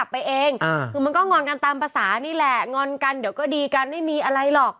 วันนั้นคุณนั่งทานข้าวกับปู่ได้มั้ย